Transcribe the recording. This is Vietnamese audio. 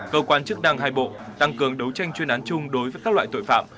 cơ quan chức năng hai bộ tăng cường đấu tranh chuyên án chung đối với các loại tội phạm